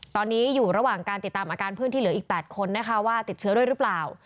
ตอนนี้อยู่ระหว่างการติดตามอาการเพื่อนที่เหลืออีก๘คนนะคะว่าติดเชื้อด้วยหรือเปล่า